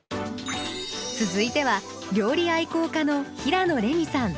続いては料理愛好家の平野レミさん。